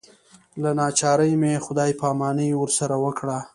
له ناچارۍ مې خدای پاماني ورسره وکړه.